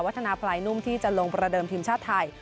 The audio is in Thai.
พัฒนาพลายนุ่มที่จะลงประเดิมทีมชาติไทย